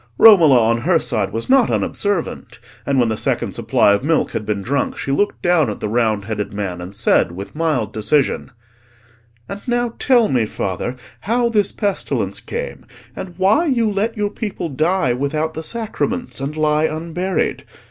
Romola on her side was not unobservant; and when the second supply of milk had been drunk, she looked down at the round headed man, and said with mild decision— "And now tell me, father, how this pestilence came, and why you let your people die without the sacraments; and lie unburied.